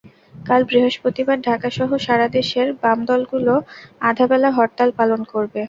কাল বৃহস্পতিবার ঢাকাসহ সারা দেশে বাম দলগুলো আধা বেলা হরতাল পালন করবে।